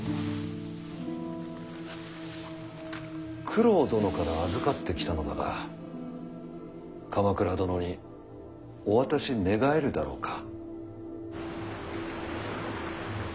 九郎殿から預かってきたのだが鎌倉殿にお渡し願えるだろうか。